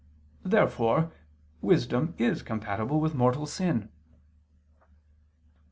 Therefore wisdom is compatible with mortal sin.